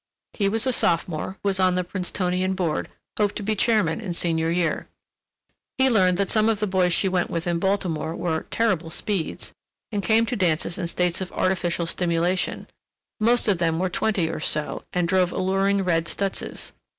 He was a sophomore, was on the Princetonian board, hoped to be chairman in senior year. He learned that some of the boys she went with in Baltimore were "terrible speeds" and came to dances in states of artificial stimulation; most of them were twenty or so, and drove alluring red Stutzes.